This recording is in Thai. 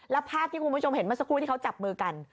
แล้วภาพที่คุณผู้ชมเห็นเมื่อสักครู่ที่เขาจับมือกัน